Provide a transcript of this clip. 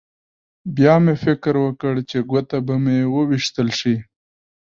بیا مې فکر وکړ چې ګوته به مې وویشتل شي